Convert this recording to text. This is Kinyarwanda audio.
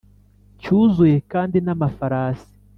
cyuzuye kandi n’amafarasi,